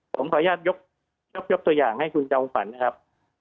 ผมขออนุญาตยกตัวอย่างให้คุณจอมฝันนะครับ